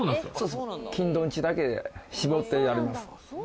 金土日だけ絞ってやります。